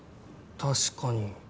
確かに。